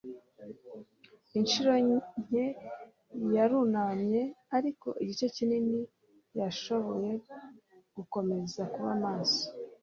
Inshuro nke yarunamye, ariko igice kinini yarashoboye gukomeza kuba maso